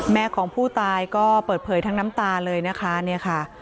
แม่ของผู้ตายก็เปิดเผยทั้งน้ำตาเลยนะคะเนี่ยค่ะ